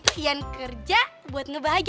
biar gue jadi lebih hebat dan lebih bagus